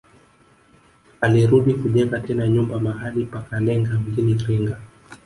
Alirudi kujenga tena nyumba mahali pa Kalenga mjini Iringa